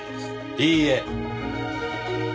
いいえ。